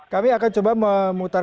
kami akan coba memutar